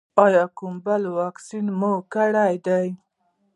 ایا کوم بل واکسین مو کړی دی؟